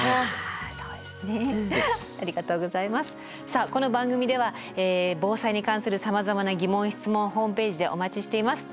さあこの番組では防災に関するさまざまな疑問・質問ホームページでお待ちしています。